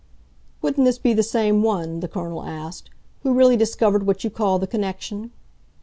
"Wouldn't this be the same one," the Colonel asked, "who really discovered what you call the connection?"